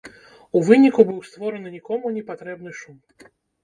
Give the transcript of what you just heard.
У выніку, быў створаны нікому не патрэбны шум.